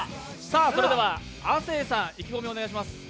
それでは亜生さん、意気込みをお願いします。